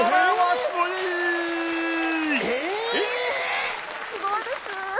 すごいです。